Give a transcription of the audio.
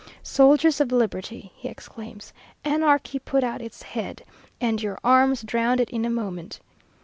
"Soldiers of Liberty!" he exclaims; "Anarchy put out its head, and your arms drowned it in a moment."